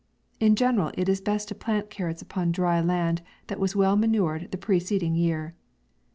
In general, it is best to plant corrots upon dry land, that was well manu red the preceding year.